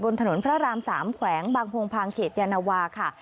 ถนนพระราม๓แขวงบางโพงพางเขตยานวาค่ะ